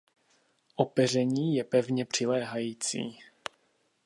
Opeření je pevně přiléhající.